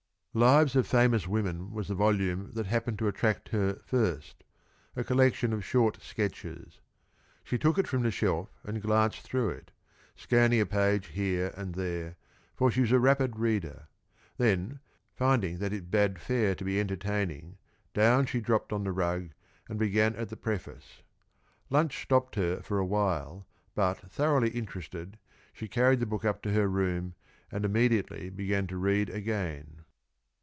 "Lives of Famous Women" was the volume that happened to attract her first, a collection of short sketches. She took it from the shelf and glanced through it, scanning a page here and there, for she was a rapid reader. Then, finding that it bade fair to be entertaining, down she dropped on the rug, and began at the preface. Lunch stopped her for awhile, but, thoroughly interested, she carried the book up to her room and immediately began to read again.